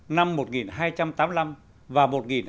năm một nghìn hai trăm tám mươi năm và một nghìn hai trăm tám mươi tám